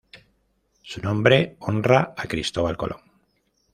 Su nombre honra a Cristóbal Colón.